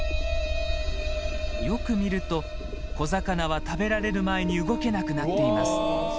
よく見ると小魚は食べられる前に動けなくなっています。